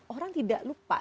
orang tidak lupa